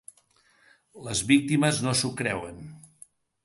Les víctimes no s’ho creuen.